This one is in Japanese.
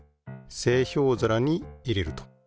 製氷皿に入れると。